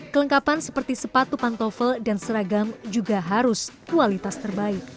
kelengkapan seperti sepatu pantofel dan seragam juga harus kualitas terbaik